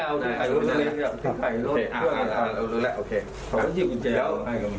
โอเคขอบคุณที่คุณจะเล่าออกให้กับมี